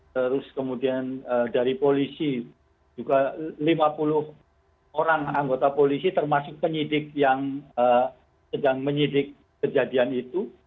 terus kemudian dari polisi juga lima puluh orang anggota polisi termasuk penyidik yang sedang menyidik kejadian itu